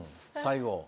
最後。